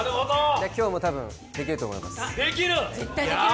今日も多分、できると思います。